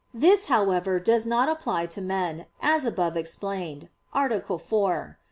This, however, does not apply to men, as above explained (A. 4; Q.